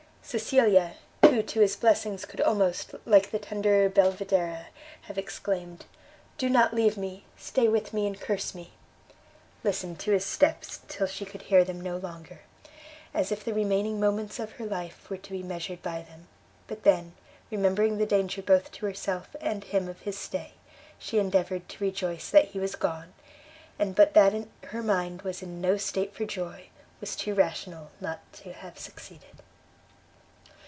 Cecilia, who to his blessings could almost, like the tender Belvidera, have exclaimed, "O do not leave me! stay with me and curse me!" listened to his steps till she could hear them no longer, as if the remaining moments of her life were to be measured by them: but then, remembering the danger both to herself and him of his stay, she endeavoured to rejoice that he was gone, and, but that her mind was in no state for joy, was too rational not to have succeeded.